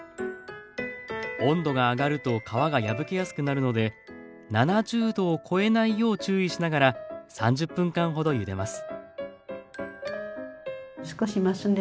温度が上がると皮が破けやすくなるので７０℃を超えないよう注意しながら３０分間ほどゆでます。